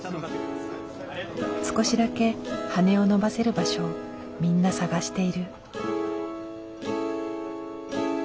少しだけ羽を伸ばせる場所をみんな探している。